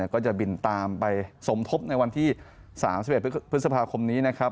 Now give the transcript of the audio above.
ก็จะบินตามไปสมทบในวันที่๓๑พฤษภาคมนี้นะครับ